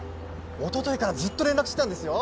おとといからずっと連絡してたんですよ